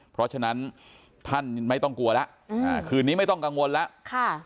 เพราะฉะนั้นท่านไม่ต้องกลัวแล้วคืนนี้ไม่ต้องกังวลแล้วค่ะ